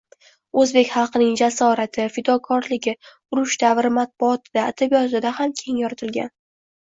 O`zbek xalqining jasorati, fidokorligi urush davri matbuotida, adabiyotida ham keng yoritilgan